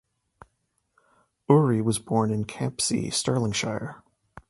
Ure was born in Campsie, Stirlingshire.